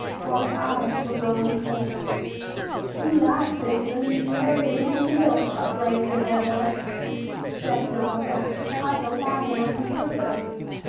Barr's eyes were glowing coals. "Ye lie, policeman! Nary a man in the hills shot Blazer thataway!" Jeff snarled back, "I don't lie and I can prove it!"